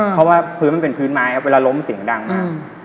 เพราะว่าพื้นมันเป็นพื้นไม้ครับเวลาล้มเสียงดังมาก